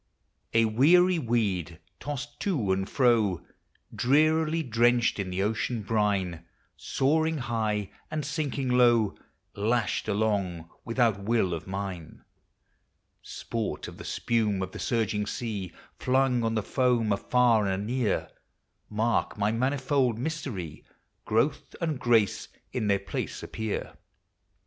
A weary weed, tossed to and fro, Drearily drenched in the ocean brine, Soaring high and sinking low, Lashed along without will of mine; Sport of the spume of the surging sea; Flung on the foam, afar and anear, Mark my manifold mystery, — Growth and grace in their place appear.